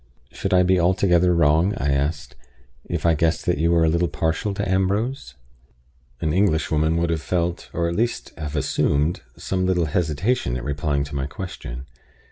"Should I be altogether wrong," I asked, "if I guessed that you were a little partial to Ambrose?" An Englishwoman would have felt, or would at least have assumed, some little hesitation at replying to my question.